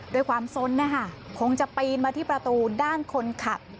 ด้วยความสนนะคะคงจะปีนมาที่ประตูด้านคนขับ